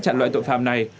chặn loại tội phạm này